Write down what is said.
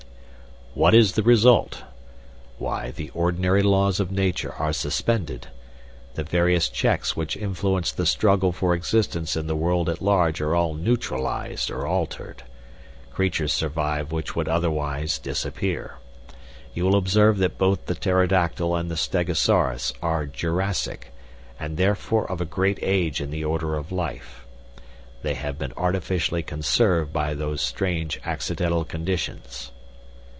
What is the result? Why, the ordinary laws of Nature are suspended. The various checks which influence the struggle for existence in the world at large are all neutralized or altered. Creatures survive which would otherwise disappear. You will observe that both the pterodactyl and the stegosaurus are Jurassic, and therefore of a great age in the order of life. They have been artificially conserved by those strange accidental conditions."